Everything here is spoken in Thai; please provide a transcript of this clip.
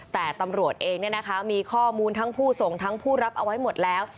แต่ตำรวจเองมีข้อมูลทั้งผู้ส่งทั้งผู้รับเอาไว้หมดแล้ว